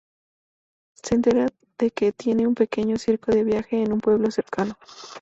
Se entera de que tiene un pequeño circo de viaje en un pueblo cercano.